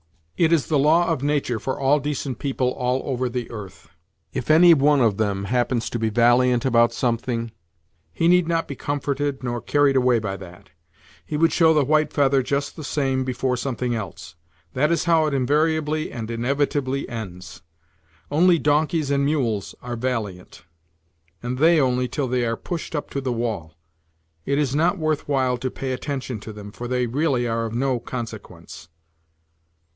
It is the law of nature for all decent people all over the earth. If any one of them happens to be valiant about something, he need not be comforted nor carried away by that ; he would show the white feather just the same before something else. That is how it invariably and inevitably ends. Only donkeys and mules are valiant, and they only till they are pushed up to the wall. It is not worth while to pay attention to them for they really are of no consequence.